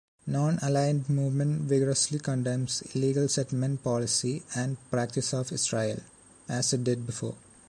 Nonaligned Movement vigorously condemns illegal settlement policy and practice of Israel, as it did before.